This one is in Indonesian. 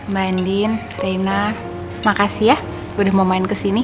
mbak andin reina makasih ya udah mau main kesini